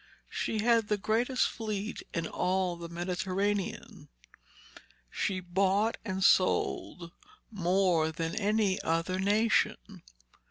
She had the greatest fleet in all the Mediterranean. She bought and sold more than any other nation.